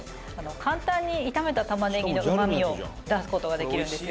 「簡単に炒めた玉ねぎのうまみを出す事ができるんですよ」